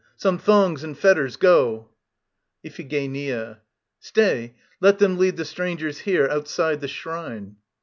Some thongs and fetters, go! IPHIGENIA. Stay; let them lead the strangers here, outside the shrine